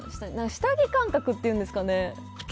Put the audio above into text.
下着感覚っていうんですかね。